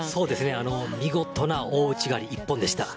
見事な大内刈一本でした。